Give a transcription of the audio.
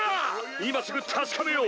今すぐ確かめよう。